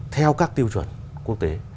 theo các tiêu chuẩn quốc tế